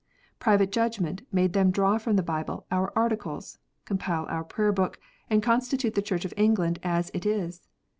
Private judgment made them draw from the Bible our Articles, compile our Prayer book, and constitute the Church of England as it is.